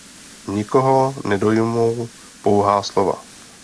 Nikoho nedojmou pouhá slova.